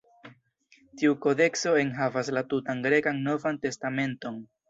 Tiu kodekso enhavas la tutan grekan Novan Testamenton.